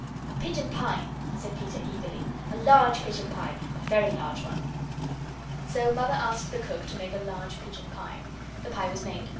"A pigeon pie," said Peter, eagerly, "a large pigeon pie. A very large one." So Mother asked the Cook to make a large pigeon pie. The pie was made.